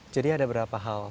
jadi ada berapa hal